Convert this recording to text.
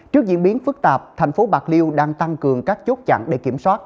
trước diễn biến phức tạp thành phố bạc liêu đang tăng cường các chốt chặn để kiểm soát